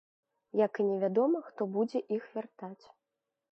Як і невядома, хто будзе іх вяртаць.